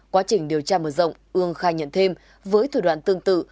quá trình điều tra mở rộng ương khai nhận thêm với thủ đoạn tương tự